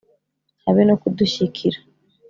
habe no kudushyikira.